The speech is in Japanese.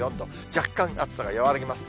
若干暑さが和らぎます。